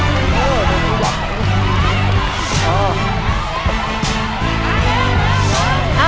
ครับของยายหลานนะฮะ